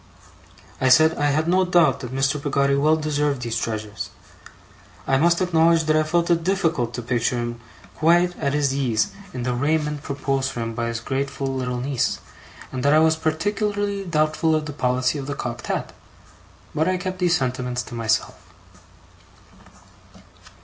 I said I had no doubt that Mr. Peggotty well deserved these treasures. I must acknowledge that I felt it difficult to picture him quite at his ease in the raiment proposed for him by his grateful little niece, and that I was particularly doubtful of the policy of the cocked hat; but I kept these sentiments to myself.